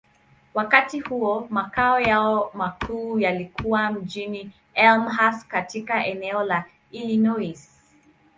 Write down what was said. Wakati huo, makao yao makuu yalikuwa mjini Elmhurst, katika eneo la Illinois.